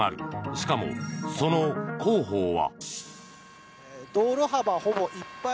しかも、その工法は。